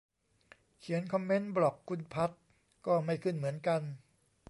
เขียนคอมเมนต์บล็อกคุณภัทร ก็ไม่ขึ้นเหมือนกัน